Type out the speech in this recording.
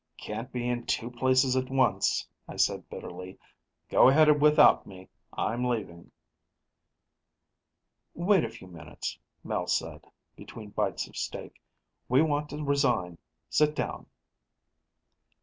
"Can't be in two places at once," I said bitterly. "Go ahead without me; I'm leaving." "Wait a few minutes," Mel said, between bites of steak, "we want to resign. Sit down."